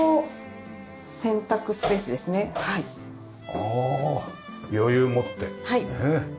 ああ余裕持ってねえ。